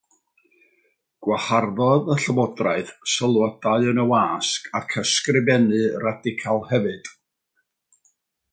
Gwaharddodd y llywodraeth sylwadau yn y wasg ac ysgrifennu radical hefyd.